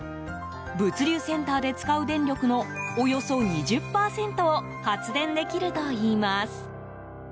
物流センターで使う電力のおよそ２０％を発電できるといいます。